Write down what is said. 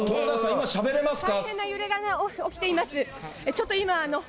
今しゃべれますか？